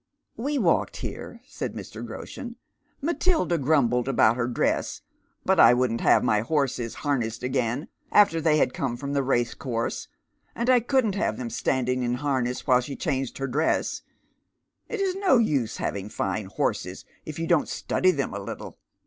" We walked here," says Mr. Groshen. '< Matilda grum})led about her dress, but I wouldn't have my horses harnessed again after they had come from the racecourse, and I couldn't havt. them standing in harness while she chaiig(;d her dress. It is no use having fine horses if you don't study them a little.